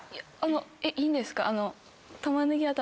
いいんですか？